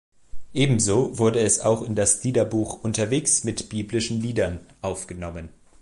Ebenso wurde es auch in das Liederbuch "Unterwegs mit biblischen Liedern" aufgenommen.